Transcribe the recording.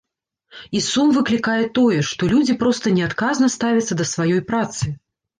І сум выклікае тое, што людзі проста неадказна ставяцца да сваёй працы.